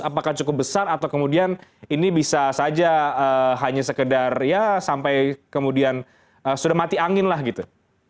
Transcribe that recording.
apakah cukup besar atau kemudian ini bisa saja hanya sekedar ya sampai kemudian sudah mati angin lah gitu